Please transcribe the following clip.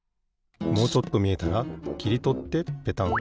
もうちょっとみえたらきりとってペタン。